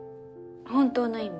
本当の意味？